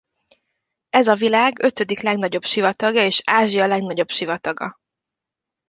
Ez a világ ötödik legnagyobb sivatagja és Ázsia legnagyobb sivataga.